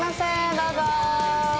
どうぞ！